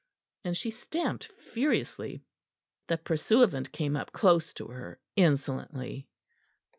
and she stamped furiously. The pursuivant came up close to her, insolently.